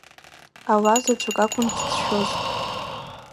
Ала заҵәык акәын дзыцәшәоз.